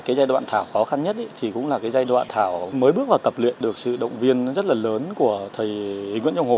cái giai đoạn thảo khó khăn nhất thì cũng là cái giai đoạn thảo mới bước vào tập luyện được sự động viên rất là lớn của thầy nguyễn trọng hồ